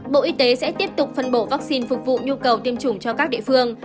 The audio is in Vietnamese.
bộ y tế sẽ tiếp tục phân bổ vaccine phục vụ nhu cầu tiêm chủng cho các địa phương